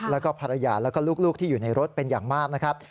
แล้วก็ภรรยาแล้วก็ลูกที่อยู่ในรถเป็นอย่างมากนะครับ